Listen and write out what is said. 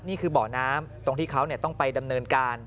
นี่คือบ่อน้ำตรงที่เขาต้องไปดำเนินการ